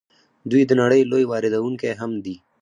دوی د نړۍ لوی واردونکی هم دي.